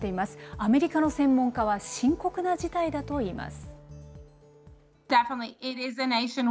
アメリカの専門家は深刻な事態だといいます。